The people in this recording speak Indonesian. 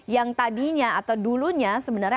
yang tadinya atau dulunya sebenarnya